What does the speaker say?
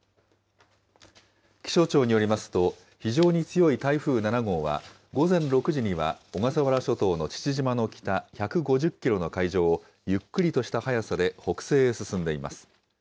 気象庁によりますと、非常に強い台風７号は、午前６時には、小笠原諸島の父島の北１５０キロの海上をゆっくりとした速さで北西へ進んでいます。